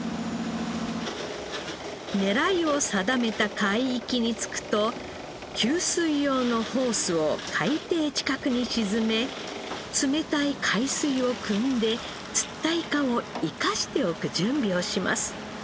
狙いを定めた海域に着くと吸水用のホースを海底近くに沈め冷たい海水をくんで釣ったイカを生かしておく準備をします。